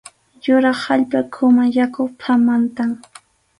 Yurap allpa ukhuman yaykuq phatmantam.